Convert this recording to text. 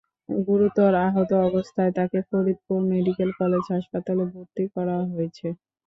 গুরুতর আহত অবস্থায় তাঁকে ফরিদপুর মেডিকেল কলেজ হাসপাতালে ভর্তি করা হয়েছে।